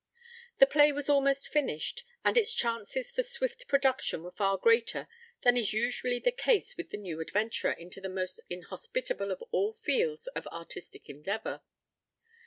The play was almost finished, and its chances for swift production were far greater than is usually the case with the new adventurer into the most inhospitable of all fields of artistic endeavor.